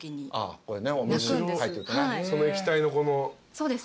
そうです